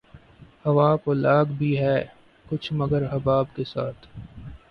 ہوا کو لاگ بھی ہے کچھ مگر حباب کے ساتھ